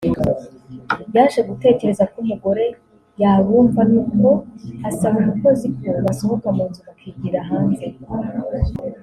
yaje gutekereza ko umugore yabumva n’uko asaba umukozi ko basohoka mu nzu bakigira hanze